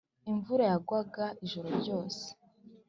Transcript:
imvura yagwaga ijoro ryose.